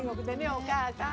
お母さん。